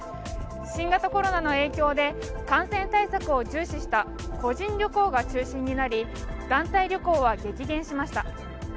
新型コロナの影響で感染対策を重視した個人旅行が中心になり、団体旅行は激減しました。